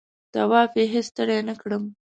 طواف یې هېڅ ستړی نه کړم.